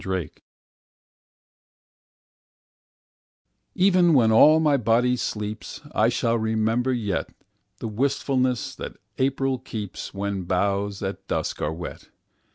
April EVEN when all my body sleeps,I shall remember yetThe wistfulness that April keeps, When boughs at dusk are wet.